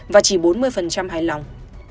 và chỉ bốn mươi hài lòng